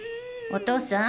お父さん。